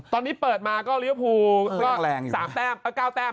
ตอนนี้เปิดมาก็เรียกว่าพูก็๓แต้มเอ้า๙แต้มนะหน้ารวด๓แมท